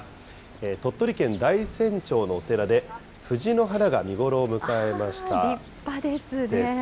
鳥取県大山町のお寺で、藤の花が見頃を迎えました。ですね。